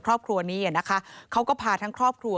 ครอบครัวนี้นะคะเขาก็พาทั้งครอบครัว